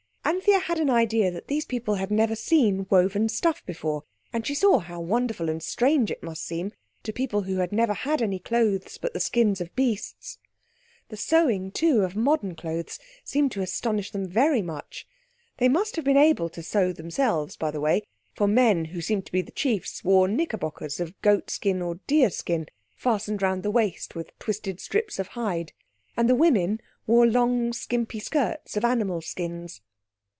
Anthea had an idea that these people had never seen woven stuff before, and she saw how wonderful and strange it must seem to people who had never had any clothes but the skins of beasts. The sewing, too, of modern clothes seemed to astonish them very much. They must have been able to sew themselves, by the way, for men who seemed to be the chiefs wore knickerbockers of goat skin or deer skin, fastened round the waist with twisted strips of hide. And the women wore long skimpy skirts of animals' skins.